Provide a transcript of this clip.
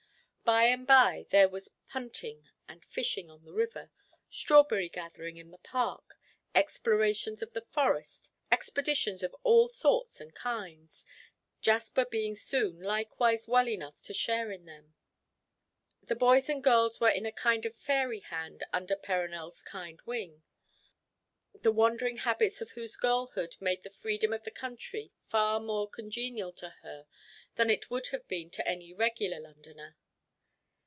By and by there was punting and fishing on the river, strawberry gathering in the park, explorations of the forest, expeditions of all sorts and kinds, Jasper being soon likewise well enough to share in them. The boys and girls were in a kind of fairy land under Perronel's kind wing, the wandering habits of whose girlhood made the freedom of the country far more congenial to her than it would have been to any regular Londoner.